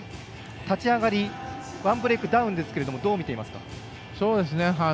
立ち上がり１ブレークダウンですけどどう見ますか。